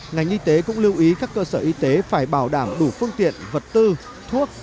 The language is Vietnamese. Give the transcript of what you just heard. ngành y tế cũng lưu ý các cơ sở y tế phải bảo đảm đủ phương tiện vật tư thuốc